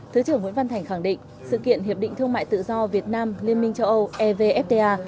thứ trưởng nguyễn văn thành khẳng định sự kiện hiệp định thương mại tự do việt nam liên minh châu âu evfta